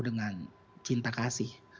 dengan cinta kasih